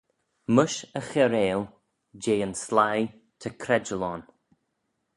Mysh e chairail jeh yn sleih ta credjal ayn.